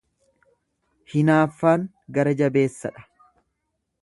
Hinaaffaan gara-jabeessa dha.